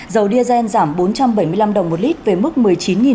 dầu diesel giảm bốn trăm bảy mươi năm đồng một lít về mức một mươi chín đồng